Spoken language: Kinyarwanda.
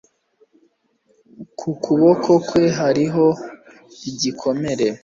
Ku kuboko kwe hariho igikomere